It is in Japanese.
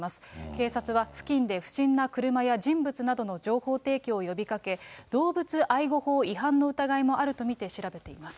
警察は付近で不審な車や人物などの情報提供を呼びかけ、動物愛護法違反の疑いもあると見て調べています。